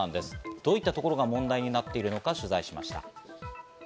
どういったところが問題になっているのか取材しました。